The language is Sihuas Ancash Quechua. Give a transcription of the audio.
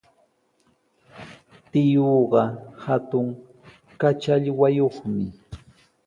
Tiyuuqa hatun kachallwayuqmi.